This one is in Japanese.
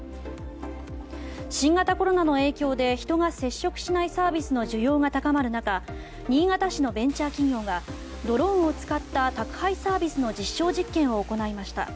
新型コロナの影響で人が接触しないサービスの需要が高まる中新潟市のベンチャー企業がドローンを使った宅配サービスの実証実験を行いました。